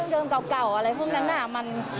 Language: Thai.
เดิมเก่าอะไรพวกนั้น